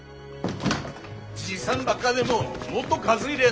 じいさんばっかでももっと数いりゃあ